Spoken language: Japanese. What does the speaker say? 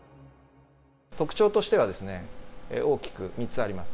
特徴としては、大きく３つあります。